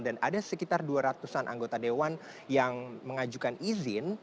dan ada sekitar dua ratus an anggota dewan yang mengajukan izin